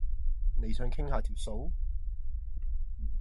你想傾下條數？